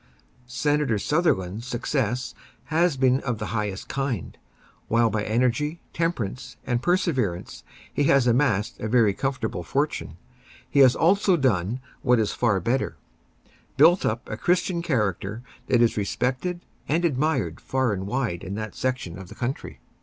Senator Sutherland's success has been of the highest kind. While by energy, temperance and perseverance he has amassed a very comfortable fortune, he has also done what is far better—built up a Christian character that is respected and admired far and wide in that section of the country.